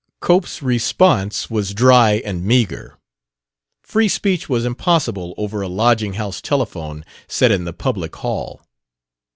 Cope's response was dry and meagre; free speech was impossible over a lodging house telephone set in the public hall.